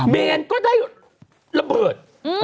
แมนก็ได้ระเบิด